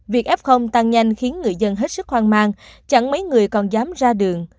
việc f tăng nhanh khiến người dân hết sức hoang mang chẳng mấy người còn dám ra đường